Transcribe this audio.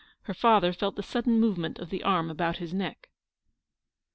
Her father felt the sudden movement of the arm about his neck.